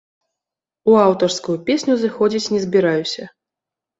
У аўтарскую песню зыходзіць не збіраюся.